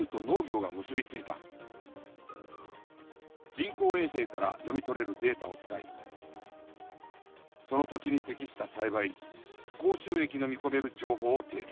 人工衛星から読み取れるデータを使いその土地に適した栽培高収益の見込める情報を提供。